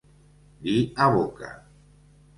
Dir a boca.